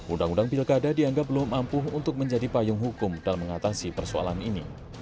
undang undang pilkada dianggap belum ampuh untuk menjadi payung hukum dalam mengatasi persoalan ini